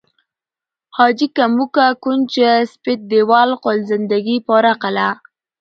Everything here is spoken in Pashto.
حاجي که، موکه، کونج، سپید دیوال، قل زنگي، پاره قلعه